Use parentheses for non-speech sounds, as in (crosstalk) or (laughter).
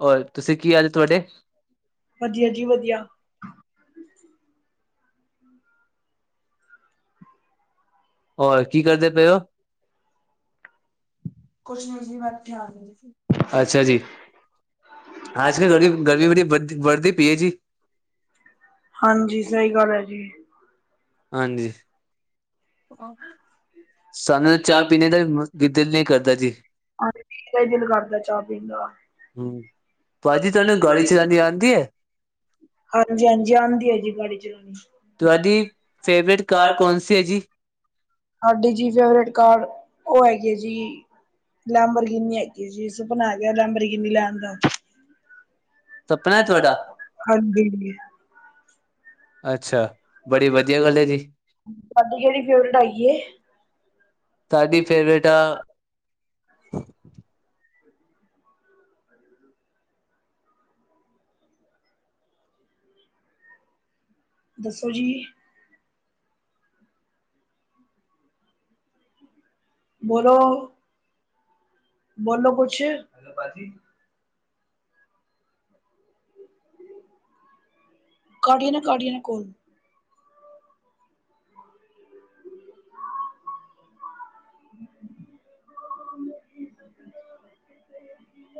ਹੋਰ, ਤੁਸੀਂ ਕੀ ਹਾਲ ਤੁਹਾਡੇ? ਵਧੀਆ ਜੀ ਵਧੀਆ। ਹੋਰ ਕੀ ਕਰਦੇ ਪਏ ਹੋ? ਕੁੱਛ ਨਹੀਂ ਜੀ ਬੈਠੇ ਆ ਜੀ। ਅੱਛਾ ਜੀ, ਆਜ ਕਲ ਗਰਮੀ, ਗਰਮੀ ਬੜੀ ਵਧਦੀ ਪਈ ਹੈ ਜੀ। ਹਾਂਜੀ, ਸਹੀ ਗੱਲ ਹੈ ਜੀ। ਹਾਂਜੀ ਸਾਨੂੰ ਚਾਹ ਪੀਣੇ ਦਾ ਦਿਲ ਨਹੀਂ ਕਰਦਾ ਜੀ। ਹਾਂ ਦਾ (inaudible) ਹੀ ਦਿਲ ਕਰਦਾ ਚਾਹ ਪੀਣ ਦਾ ਹਮ,? ਭਾਜੀ ਤੁਹਾਨੂੰ ਗੱਡੀ ਚਲਾਣੀ ਆਉਂਦੀ ਹੈ ਹਾਂਜੀ, ਹਾਂਜੀ ਆਉਂਦੀ ਆ ਜੀ ਗਾੜੀ ਚਲਾਉਣੀ। ਤੁਹਾਡੀ ਫੇਵਰੇਟ ਕਾਰ ਕੌਣ ਸੀ ਹੈ ਜੀ? ਸਾਡੀ ਜੀ, ਫੇਵਰੇਟ ਕਾਰ ਉਹ ਹੈਗੀ ਹੈ ਜੀ। ਲਾਂਬਰਗਿਨੀ ਹੈਗੀ ਜੀ ਸੁਪਨਾ ਗਿਆ ਲਾਂਬਰਗਿਨੀ ਲੈਣ ਦਾ ਸਪਨਾ ਹੈ ਤੁਹਾਡਾ ਹਾਂਜੀ ਅੱਛਾ ਬੜੀ ਵਧੀਆ ਗੱਲ ਹੈ ਜੀ ਤੁਹਾਡੀ ਕਿਹੜੀ ਫੇਵਰੇਟ ਹੈਗੀ ਏ ਸਾਡੀ ਫੇਵਰੇਟ ਆ ਦੱਸੋ ਜੀ ਬੋਲੋ? ਬੋਲੋ ਕੁਛ। ਕੱਟੀਓ ਨਾ ਕੱਟੀ ਓ ਕਾਲ ਹਮ ਹੂੰ